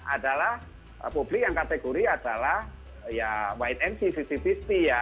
adalah publik yang kategori adalah ya white mc lima puluh lima puluh ya